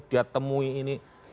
dia temui ini